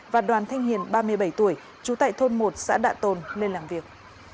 và đoàn thanh hiền ba mươi bảy tuổi trú tại thôn một xã đạ tôn lên làm việc